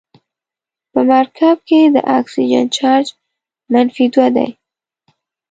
په مرکب کې د اکسیجن چارج منفي دوه دی.